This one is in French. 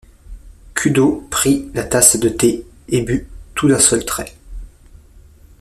Kudō prit la tasse de thé et bu tout d'un seul trait.